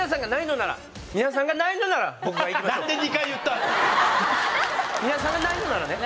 皆さんがないのならね。